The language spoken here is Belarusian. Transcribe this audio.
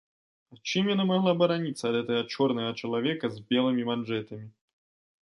А чым яна магла бараніцца ад гэтага чорнага чалавека з белымі манжэтамі?